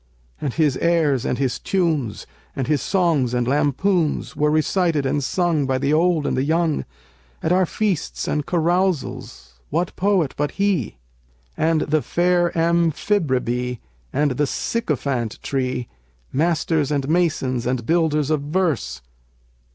And his airs and his tunes, and his songs and lampoons, Were recited and sung by the old and the young: At our feasts and carousals, what poet but he? And "The fair Amphibribe" and "The Sycophant Tree," "Masters and masons and builders of verse!"